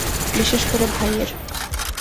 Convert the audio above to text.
বিশেষ করে ভাইয়ের।